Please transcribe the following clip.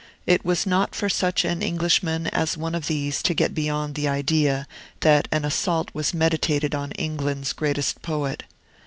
It was not for such an Englishman as one of these to get beyond the idea that an assault was meditated on England's greatest poet.